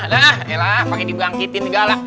dahlah paket dibangkitin galak